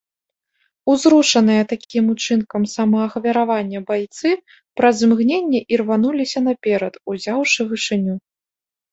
Узрушаныя такім учынкам самаахвяравання байцы праз імгненне ірвануліся наперад, узяўшы вышыню.